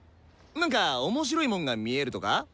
なんか面白いもんが見えるとか？